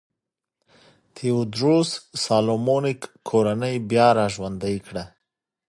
تیوودروس سالومونیک کورنۍ بیا را ژوندی کړه.